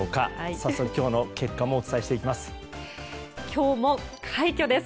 早速、今日の結果もお伝えしていきます。